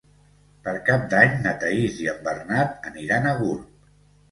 Per Cap d'Any na Thaís i en Bernat aniran a Gurb.